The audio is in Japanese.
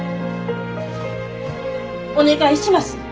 お願いします！